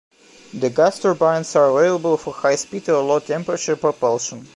The gas turbines are available for high speed or low temperature propulsion.